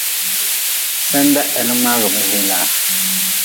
Senda heli mngaagʼbe helaa.